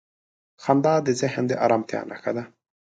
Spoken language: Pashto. • خندا د ذهن د آرامتیا نښه ده.